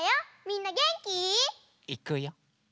みんなげんき？いくよ。